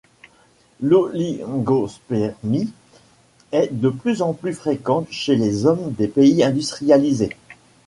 L'oligospermie est de plus en plus fréquente chez les hommes des pays industrialisés.